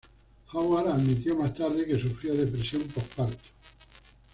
Howard admitió más tarde que sufrió depresión postparto.